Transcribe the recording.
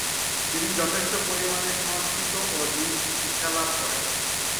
তিনি যথেষ্ট পরিমাণে সংস্কৃত ও হিন্দি শিক্ষালাভ করেন।